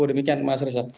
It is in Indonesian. demikian mas resa